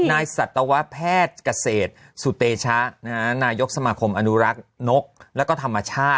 สัตวแพทย์เกษตรสุเตชะนายกสมาคมอนุรักษ์นกแล้วก็ธรรมชาติ